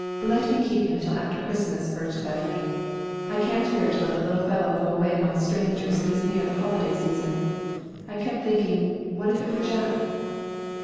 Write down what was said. "Let me keep him till after Christmas," urged Bethany. "I can't bear to let the little fellow go away among strangers this near the holiday season. I keep thinking, What if it were Jack?"